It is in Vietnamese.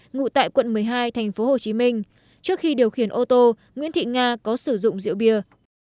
ngụ tại quận một mươi hai thành phố hồ chí minh trước khi điều khiển ô tô nguyễn thị nga có sử dụng rượu bia